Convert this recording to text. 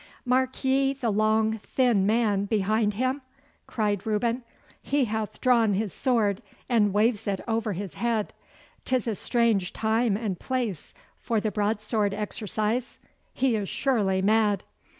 'Mark ye the long thin man behind him?' cried Reuben. 'He hath drawn his sword, and waves it over his head. 'Tis a strange time and place for the broadsword exercise. He is surely mad.